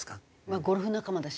まあゴルフ仲間だしね。